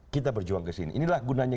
kita berjuang ke sini inilah gunanya